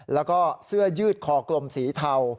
แล้วก็เสื้อยืดคอกลมสีเทา